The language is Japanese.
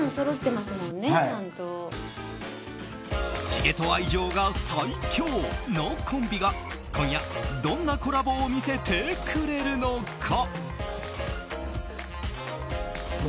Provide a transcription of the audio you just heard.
地毛と愛情が最強のコンビが今夜どんなコラボを見せてくれるのか。